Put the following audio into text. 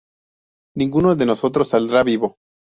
Ninguno de nosotros saldrá vivo.